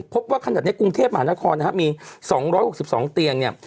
พบว่าขนาดนี้กรุงเทพมหานครนะฮะมี๒๖๒เตียงเนี่ย